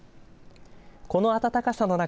この暖かさの中